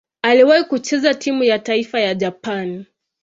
Aliwahi kucheza timu ya taifa ya Japani.